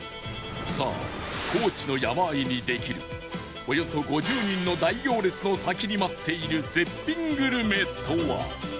さあ高知の山あいにできるおよそ５０人の大行列の先に待っている絶品グルメとは？